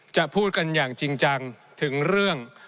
จะพูดกันอย่างจริงจังถึงเรื่อง